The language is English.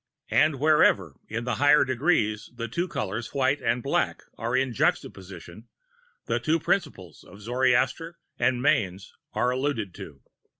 And wherever, in the higher Degrees, the two colors white and black, are in juxtaposition, the two Principles of Zoroaster and Manes are alluded to.